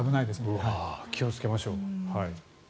気をつけましょう。